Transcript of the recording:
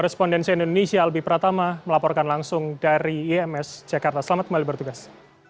korespondensi indonesia albi pratama melaporkan langsung dari ims jakarta selamat kembali bertugas